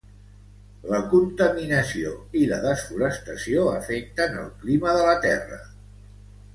La contaminació i la desforestació afecten el clima de La Terra.